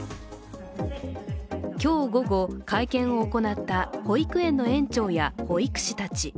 今日午後、会見を行った保育園の園長や保育士たち。